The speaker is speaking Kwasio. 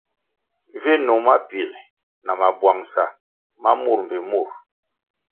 Vi nung mapiē na mabwangʼsa ma mur mbpi murʼ.